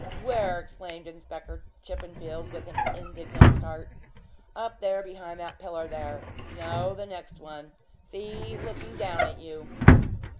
"Where?" exclaimed Inspector Chippenfield, with an indignant start. "Up there behind that pillar there no, the next one. See, he's looking down at you."